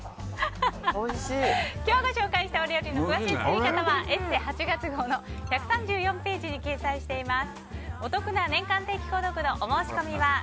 今日ご紹介したお料理の詳しい作り方は「ＥＳＳＥ」８月号の１３４ページに掲載しています。